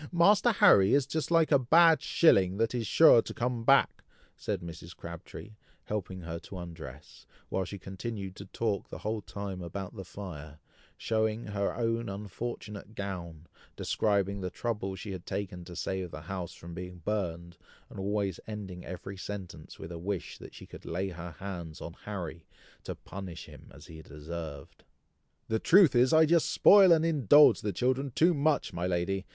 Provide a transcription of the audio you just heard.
Master Harry is just like a bad shilling that is sure to come back," said Mrs. Crabtree, helping her to undress, while she continued to talk the whole time about the fire, showing her own unfortunate gown, describing the trouble she had taken to save the house from being burned, and always ending every sentence with a wish that she could lay her hands on Harry to punish him as he deserved. "The truth is, I just spoil and indulge the children too much, my lady!"